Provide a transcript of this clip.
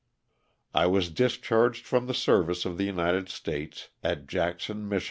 I was discharged from the service of the United States at Jackson, Mich.